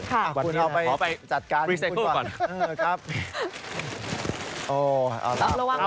ค่ะวันนี้นะคุณก่อนเอาไปจัดการ